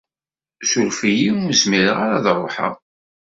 Suref-iyi ur zmireɣ ara ad ruḥeɣ.